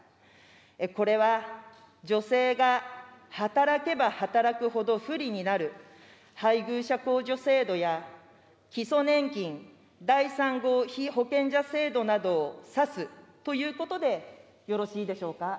これは、女性が働けば働くほど不利になる配偶者控除制度や、基礎年金第三号被保険者制度などを指すということでよろしいでしょうか。